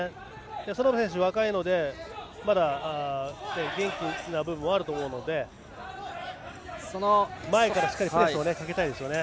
園部選手は若いのでまだ元気な部分もあると思うので前からしっかりプレスをかけたいですね。